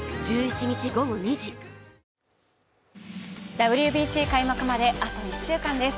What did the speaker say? ＷＢＣ開幕まであと１週間です。